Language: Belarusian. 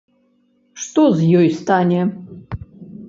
Што з ёй стане?